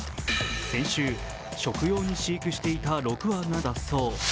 先週、食用に飼育していた６羽が脱走。